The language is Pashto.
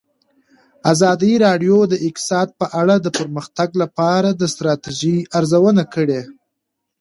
ازادي راډیو د اقتصاد په اړه د پرمختګ لپاره د ستراتیژۍ ارزونه کړې.